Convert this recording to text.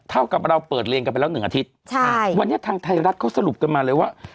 เท่ากับเราเปิดเรียนกันไปแล้วหนึ่งอาทิตย์ใช่วันนี้ทางไทยรัฐเขาสรุปกันมาเลยว่า